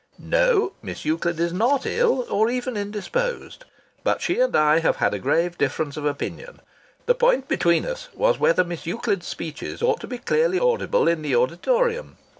No, Miss Euclid is not ill or even indisposed. But she and I have had a grave difference of opinion. The point between us was whether Miss Euclid's speeches ought to be clearly audible in the auditorium.